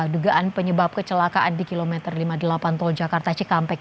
dugaan penyebab kecelakaan di kilometer lima puluh delapan tol jakarta cikampek